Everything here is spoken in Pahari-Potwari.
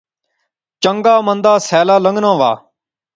چنگا مندا سیلا لنگنا وہا